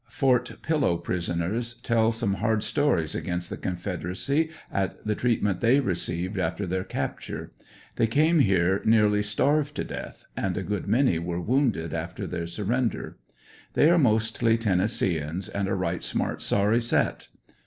Fort Pillow prisoners tell some hard stories against the Confederacy at the treatment they received after their capture. They came here nearly starved to death, and a tood many were wounded after their surrender. They are mostly Tennesseeans, and a "right smart sorry set."